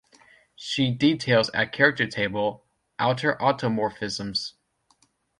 See details at character table: outer automorphisms.